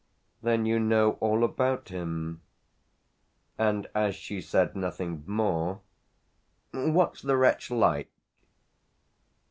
"Then you know all about him." And as she said nothing more: "What's the wretch like?"